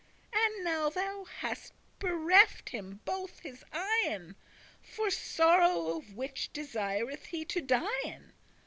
And now thou hast bereft him both his eyen, For sorrow of which desireth he to dien.